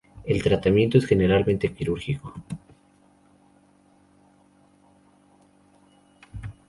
El tratamiento es generalmente quirúrgico.